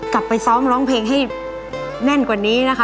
กลับไปซ้อมร้องเพลงให้แน่นกว่านี้นะคะ